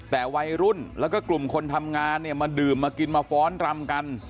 แต่วัยรุ่นแล้วก็กลุ่มคนทำงานเนี่ยมาดื่มมากินมาฟ้อนรำกัน